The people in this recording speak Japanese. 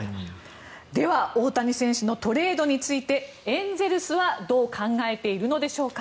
では、大谷選手のトレードについてエンゼルスはどう考えているのでしょうか。